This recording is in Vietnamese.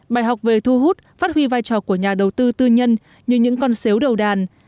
bài học về thu hút phát huy vai trò của nhà đầu tư tư nhân như những con xếu đầu đàn